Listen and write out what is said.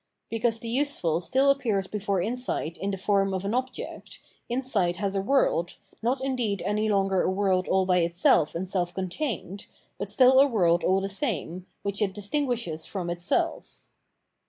Because the useful still appears before insight in the form of an object, insight has a world, not indeed any longer a world all by itself and self contained, but still a world all the same, which it distinguishes from itself.